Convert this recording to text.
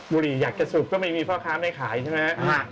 บุหรี่หยัดกระสุกก็ไม่มีเพราะค้าไม่ขายใช่ไหม